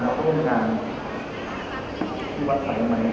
ขอบคุณทุกคนมากครับที่ทุกคนรัก